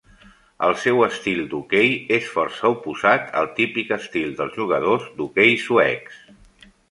El seu estil d'hoquei és força oposat al típic estil dels jugadors d'hoquei suecs.